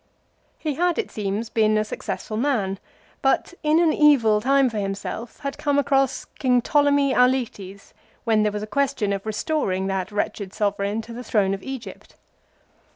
He had, it seems, been a successful man, but, in an evil time for himself, had come across King Ptolemy Auletes when there was a question of restoring that wretched sovereign to the throne of Egypt.